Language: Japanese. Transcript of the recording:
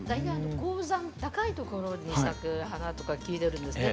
高山高い所に咲く花とか聞いてるんですね。